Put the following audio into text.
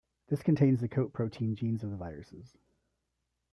This contains the coat protein genes of the viruses.